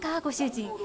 ご主人。